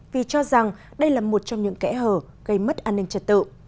vì cho rằng đây là một trong những kẽ hở gây mất an ninh trật tự